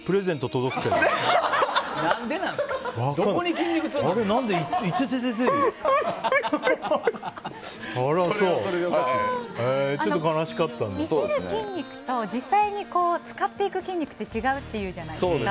見せる筋肉と実際に使っていく筋肉って違うっていうじゃないですか。